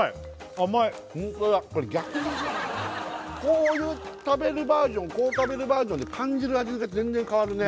ホントだこれ逆にこういう食べるバージョンこう食べるバージョンで感じる味が全然変わるね